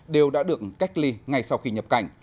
đều đã được cách ly ngay sau khi nhập cảnh